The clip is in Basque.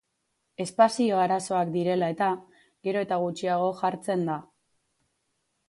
Espazio arazoak direla eta, gero eta gutxiago jartzen da.